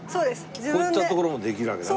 こういったところもできるわけだね。